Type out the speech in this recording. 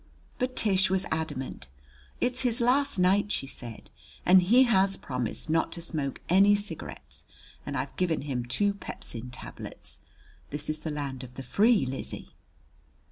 But Tish was adamant. "It's his last night," she said, "and he has promised not to smoke any cigarettes and I've given him two pepsin tablets. This is the land of the free, Lizzie."